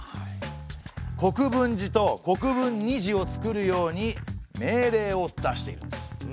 国分寺と国分尼寺を造るように命令を出しているんです。